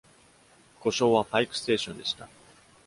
古称はパイク・ステーションでした。